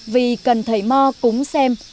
vì cần thầy mo cúng xem